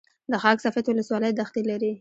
د خاک سفید ولسوالۍ دښتې لري